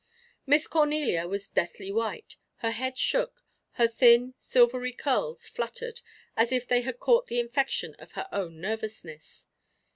Miss Cornelia was deathly white; her head shook, her thin, silvery curls fluttered, as if they had caught the infection of her own nervousness.